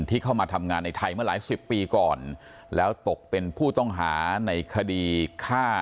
เข้ามาทำงานในไทยเมื่อหลายสิบปีก่อนแล้วตกเป็นผู้ต้องหาในคดีฆ่า